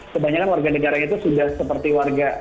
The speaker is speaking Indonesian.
kebanyakan warga negaranya itu sudah seperti warga